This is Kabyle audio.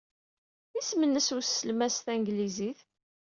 Isem-nnes weslem-a s tanglizit?